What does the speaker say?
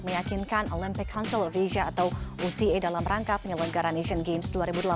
meyakinkan olympic council of asia atau oca dalam rangka penyelenggaran asian games dua ribu delapan belas